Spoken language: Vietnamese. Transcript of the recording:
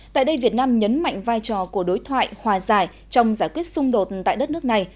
tại đây việt nam nhấn mạnh vai trò của đối thoại hòa giải trong giải quyết xung đột tại đất nước này